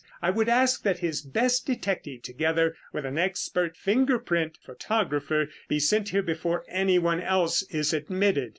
I would ask that his best detective together with an expert finger print photographer be sent here before anyone else is admitted.